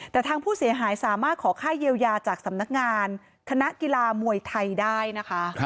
แต่ทางผู้เสียหายสามารถขอค่าเยียวยาจากสำนักงานคณะกีฬามวยไทยได้นะคะ